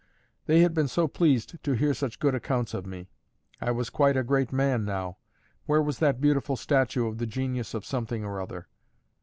They had been so pleased to hear such good accounts of me; I was quite a great man now; where was that beautiful statue of the Genius of Something or other?